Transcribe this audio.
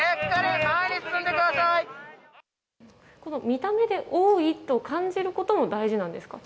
見た目で多いと感じることも大事なんですか？